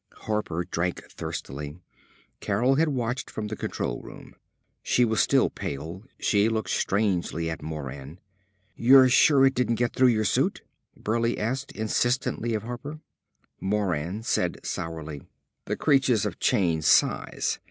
Harper drank thirstily. Carol had watched from the control room. She was still pale. She looked strangely at Moran. "You're sure it didn't get through your suit?" Burleigh asked insistently of Harper. Moran said sourly; "The creatures have changed size.